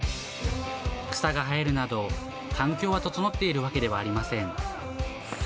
草が生えるなど、環境は整っているわけではありません。